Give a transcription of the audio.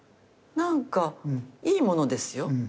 何かいいものですよ。